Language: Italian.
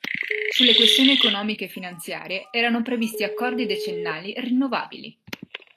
Sulle questioni economiche e finanziarie erano previsti accordi decennali rinnovabili.